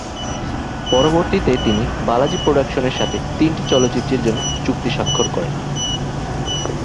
পরবর্তীতে তিনি বালাজি প্রোডাকশনের সাথে তিনটি চলচ্চিত্রের জন্য চুক্তি স্বাক্ষর করেন।